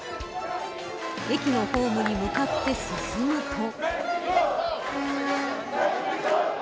駅のホームに向かって進むと。